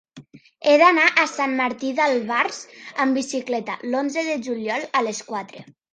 He d'anar a Sant Martí d'Albars amb bicicleta l'onze de juliol a les quatre.